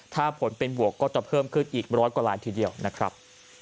ถ้าผลเป็นบวกก็จะเพิ่มขึ้นอีกร้อยกว่าลายทีเดียวนะครับ